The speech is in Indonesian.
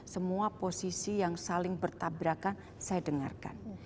semua posisi yang saling bertabrakan saya dengarkan